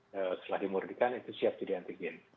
setelah dimurtikan itu siap jadi antigen